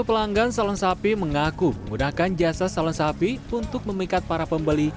pelanggan salon sapi mengaku menggunakan jasa salon sapi untuk memikat para pembeli